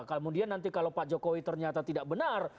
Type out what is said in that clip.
kemudian nanti kalau pak jokowi ternyata tidak benar